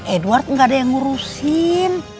edward nggak ada yang ngurusin